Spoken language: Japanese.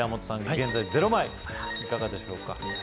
現在０枚いかがでしょうか？